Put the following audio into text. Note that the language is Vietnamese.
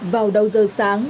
vào đầu giờ sáng